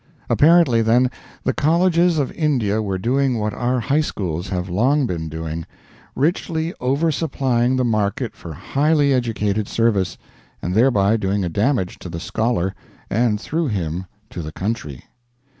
Apparently, then, the colleges of India were doing what our high schools have long been doing richly over supplying the market for highly educated service; and thereby doing a damage to the scholar, and through him to the country.